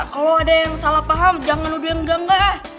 kalo ada yang salah paham jangan nuduh yang enggak enggak